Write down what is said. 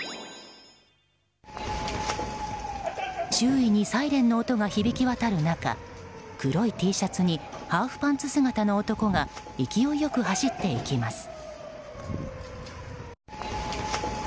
周囲にサイレンの音が響き渡る中黒いＴシャツにハーフパンツ姿の男が勢い良く走っていきます。